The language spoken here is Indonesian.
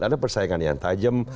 ada persaingan yang tajam